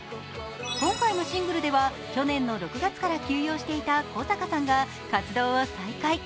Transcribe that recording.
今回のシングルでは去年の６月から休養していた小坂さんが活動を再開。